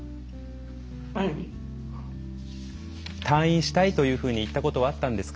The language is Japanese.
退院したいと言ったことはあったんですか？